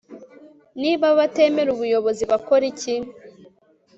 niba batemera ubuyobozi bakore iki